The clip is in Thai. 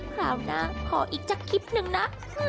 คราวหน้าขออีกสักคลิปหนึ่งนะ